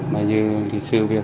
mà như sự việc